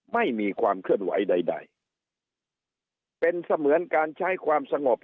ไม่มีความเคลื่อนไหวใดเป็นเสมือนการใช้ความสงบ